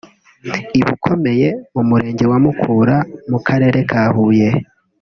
i Bukomeye mu Murenge wa Mukura mu Karere ka Huye